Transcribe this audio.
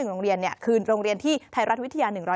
โรงเรียนคืนโรงเรียนที่ไทยรัฐวิทยา๑๐